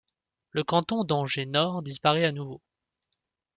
Le canton d'Angers-Nord disparaît à nouveau.